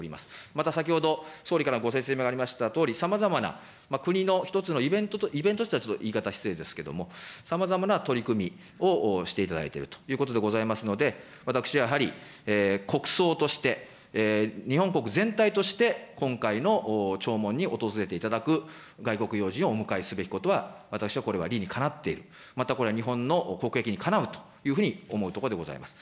また先ほど総理からもご説明がありましたとおり、さまざまな国の一つのイベント、イベントというのは、言い方、失礼ですけれども、さまざまな取り組みをしていただいているということでございますので、私、やはり国葬として、日本国全体として、今回の弔問に訪れていただく外国要人をお迎えすべきことは、私はこれは理に適っている、またこれは日本の国益にかなうというふうに思うところでございます。